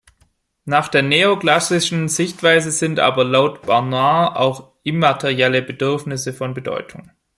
Nach der neoklassischen Sichtweise sind aber, laut Barnard auch "immaterielle" Bedürfnisse von Bedeutung.